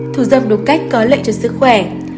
thù dâm đúng cách có lợi cho sức khỏe